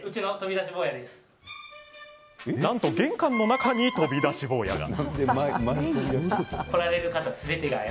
なんと玄関の中に飛び出し坊やが。